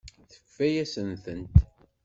Tefka-yasent-tent.